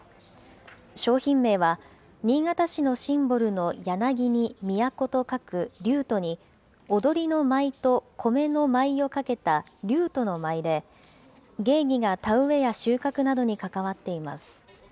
商品名は新潟市のシンボルの柳に都と書く柳都に、踊りの舞とコメの米をかけた柳都の舞で、芸妓が田植えや収穫などに関わっています。